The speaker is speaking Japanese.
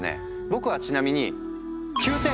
僕はちなみに９点！